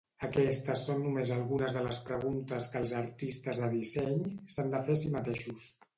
Aquestes són només algunes de les preguntes que els artistes de disseny s'han de fer a si mateixos.